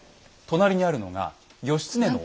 隣にあるのが義経の。